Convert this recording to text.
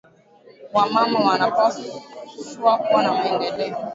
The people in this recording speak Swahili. Wa mama wana pashwa kuwa na maendeleo